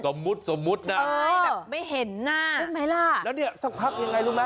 สมมุตินะไม่เห็นหน้าขึ้นไหมล่ะแล้วเนี่ยสักพักยังไงรู้มะ